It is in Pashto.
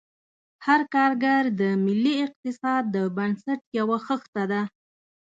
هر کارګر د ملي اقتصاد د بنسټ یوه خښته ده.